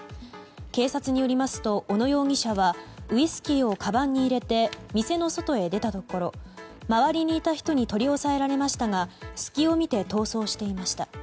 警察によりますと、小野容疑者はウイスキーをかばんに入れて店の外へ出たところ周りにいた人に取り押さえられましたが隙を見て逃走していました。